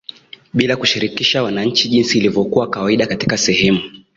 bilakushirikisha wananchi jinsi ilivyokuwa kawaida katika sehemu